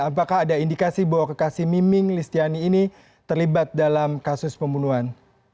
apakah ada indikasi bahwa kekasih miming listiani ini terlibat dalam kasus pembunuhan